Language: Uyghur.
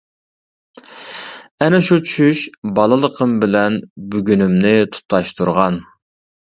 ئەنە شۇ چۈش بالىلىقىم بىلەن بۈگۈنۈمنى تۇتاشتۇرغان.